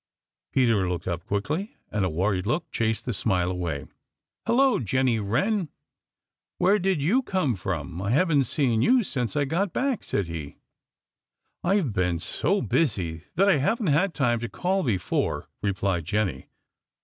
Peter looked up quickly, and a worried look chased the smile away. "Hello, Jenny Wren! Where did you come from? I haven't seen you since I got back," said he. "I've been so busy that I haven't had time to call before," replied Jenny.